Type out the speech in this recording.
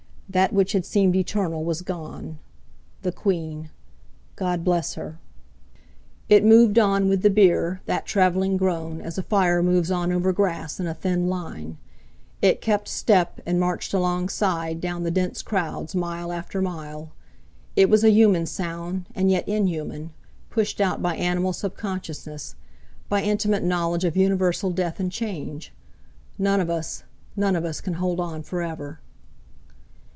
That which had seemed eternal was gone! The Queen—God bless her! It moved on with the bier, that travelling groan, as a fire moves on over grass in a thin line; it kept step, and marched alongside down the dense crowds mile after mile. It was a human sound, and yet inhuman, pushed out by animal subconsciousness, by intimate knowledge of universal death and change. None of us—none of us can hold on for ever!